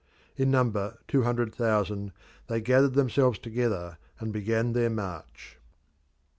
In number two hundred thousand, they gathered themselves together and began their march.